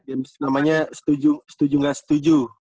games namanya setuju nggak setuju